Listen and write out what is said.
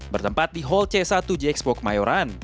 bertempat di hall c satu jxpok mayoran